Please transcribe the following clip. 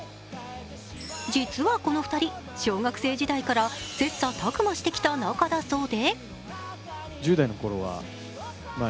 実はこの２人、小学生時代から切磋琢磨してきた仲だそうで。